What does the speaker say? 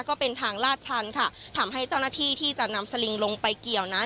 ก็เป็นทางลาดชันค่ะทำให้เจ้าหน้าที่ที่จะนำสลิงลงไปเกี่ยวนั้น